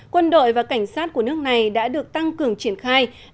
quân đội và cảnh sát của nước này đã được tăng cường triển khai